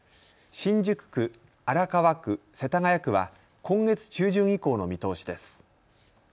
新宿区、荒川区、世田谷区は今月中旬以降の見通しです。